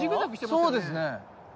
そうですね